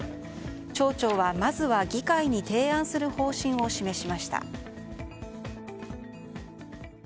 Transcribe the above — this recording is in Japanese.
町長は、まずは議会に提案する方針を示しました。